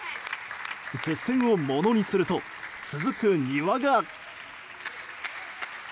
接戦をものにすると続く、丹羽が。